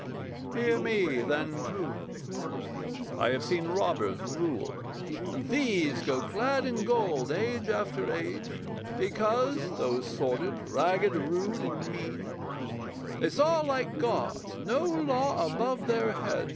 Hear me, then, too: I have seen robbers rule, And thieves go clad in gold age after age Because, though sordid, ragged, rude, and mean, They saw, like gods, no law above their heads.